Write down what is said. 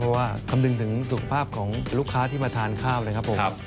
เพราะว่าคำนึงถึงสุขภาพของลูกค้าที่มาทานข้าวนะครับผม